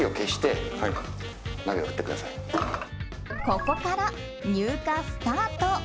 ここから乳化スタート。